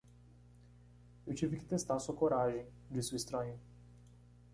"Eu tive que testar sua coragem?", disse o estranho.